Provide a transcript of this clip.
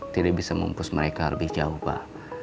tidak bisa mempus mereka lebih jauh pak